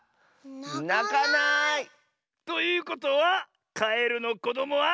なかない！ということはカエルのこどもは。